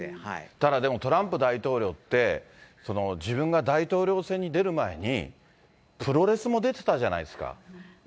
ただ、トランプ大統領って、自分が大統領選に出る前に、プロレスも出てたじゃないですか。